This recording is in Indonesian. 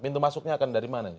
pintu masuknya akan dari mana